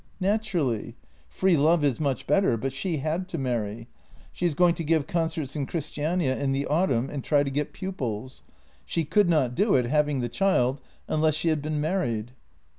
" Naturally. Free love is much better, but she had to marry. She is going to give concerts in Christiania in the autumn and try to get pupils. She could not do it, having the child, unless she had been married."